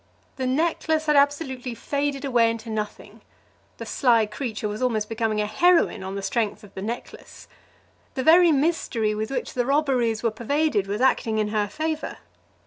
The necklace had absolutely faded away into nothing. The sly creature was almost becoming a heroine on the strength of the necklace. The very mystery with which the robberies were pervaded was acting in her favour.